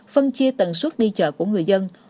phân chia tầng suốt đi chợ của người dân